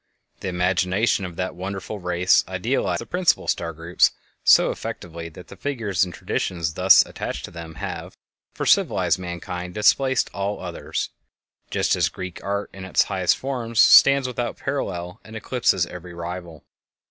The imagination of that wonderful race idealized the principal star groups so effectively that the figures and traditions thus attached to them have, for civilized mankind, displaced all others, just as Greek art in its highest forms stands without parallel and eclipses every rival.